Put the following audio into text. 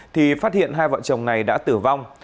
thì phát hiện hai vợ chồng này đã tử vong